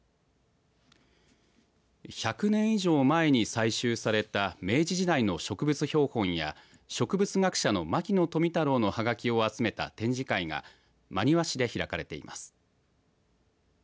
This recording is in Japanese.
１００年以上前に採集された明治時代の植物標本や植物学者の牧野富太郎のはがきを集めた展示会が真庭市で開かれています。